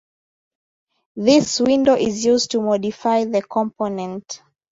This window is used to modify the component.